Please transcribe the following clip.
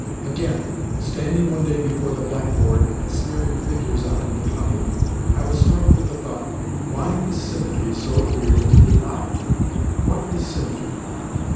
Again, standing one day before the blackboard and smearing figures on it with honey, I was struck with the thought, "Why is symmetry so agreeable to the eye? What is symmetry?